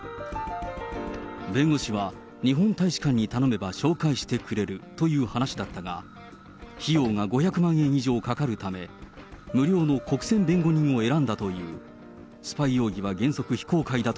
弁護士は日本大使館に頼めば紹介してくれるという話だったが、費用が５００万円以上かかるため、無料の国選弁護人を選んだという。